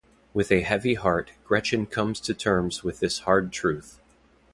With a heavy heart, Gretchen comes to terms with this hard truth.